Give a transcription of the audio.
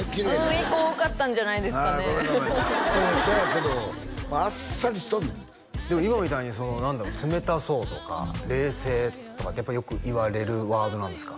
うん１個多かったんじゃないですかねああごめんごめんそやけどあっさりしとんねんでも今みたいに何だろう冷たそうとか冷静とかってやっぱりよく言われるワードなんですか？